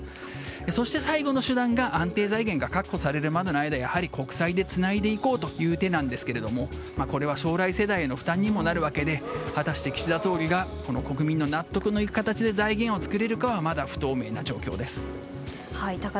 そして最後の手段が安定財源が確保されるまでの間国債でつないでいこうという手なんですがこれは将来世代の負担にもなるわけで果たして、岸田総理が国民の納得のいく形で財源を作れるかがまだ不透明な状況です。